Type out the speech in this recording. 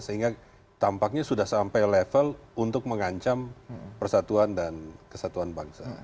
sehingga tampaknya sudah sampai level untuk mengancam persatuan dan kesatuan bangsa